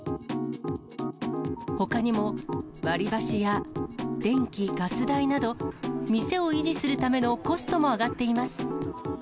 ほかにも、割り箸や電気・ガス代など、店を維持するためのコストも上がっています。